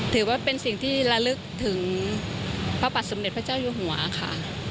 ถือว่าเป็นสิ่งที่ระลึกถึงพระปัติสูริยุหัวค่ะ